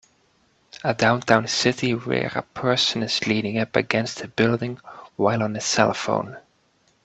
a downtown city were a person is leaning up against a building while on his cellphone.